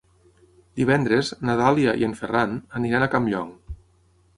Divendres na Dàlia i en Ferran aniran a Campllong.